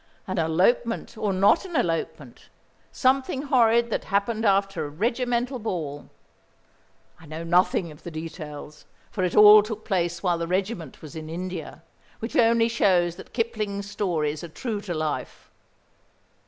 An elopement or not an elopement; something horrid that happened after a regimental ball. I know nothing of the details, for it all took place while the regiment was in India, which only shows that Kipling's stories are true to life.